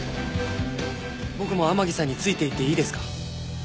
僕も天樹さんについていっていいですか？